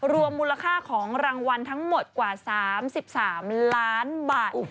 รวมมูลค่าของรางวัลทั้งหมดกว่า๓๓ล้านบาท